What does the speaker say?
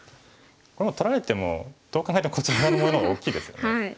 これもう取られてもどう考えてもこちらのもの大きいですよね。